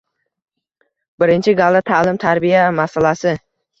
Birinchi galda ta’lim-tarbiya masalasi.